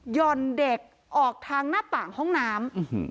่อนเด็กออกทางหน้าต่างห้องน้ำ